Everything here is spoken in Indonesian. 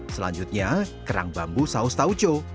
selanjutnya kerang bambu saus tauco